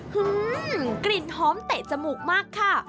กลิ่นหอมเตะจมูกมากค่ะ